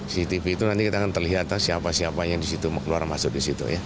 cctv itu nanti kita akan terlihat siapa siapanya yang keluar masuk di situ